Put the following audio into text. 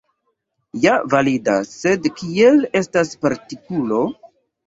Ja validas, sed kiel estas partikulo.